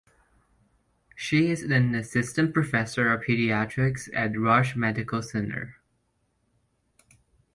She is an Assistant Professor of Pediatrics at Rush Medical Center.